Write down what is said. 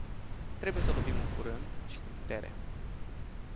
Trebuie să lovim în curând și cu putere.